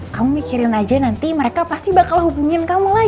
kamu mikirin aja nanti mereka pasti bakal hubungin kamu lagi